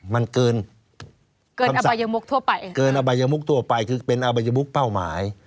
มันเกินอบัยมุกทั่วไปเป็นอบัยมุกเป้าหมาย